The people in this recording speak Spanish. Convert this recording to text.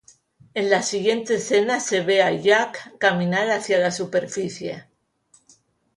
En la siguiente escena se ve a "Jack" caminar hacia la superficie.